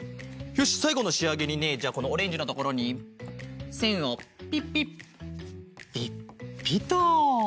よしさいごのしあげにねじゃあこのオレンジのところにせんをピッピッピッピッと。